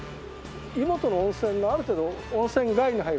湯本の温泉のある程度温泉街に入る。